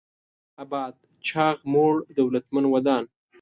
اباد: چاغ، موړ، دولتمن، ودان